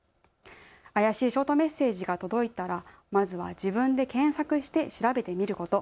怪しいショートメッセージが届いたら、まずは自分で検索して調べてみること。